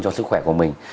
cho sức khỏe của mình